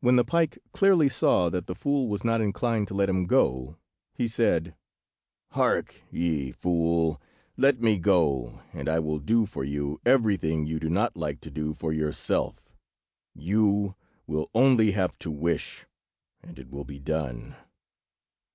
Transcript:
When the pike clearly saw that the fool was not inclined to let him go, he said— "Hark ye, fool! let me go, and I will do for you everything you do not like to do for yourself. You will only have to wish, and it will be done."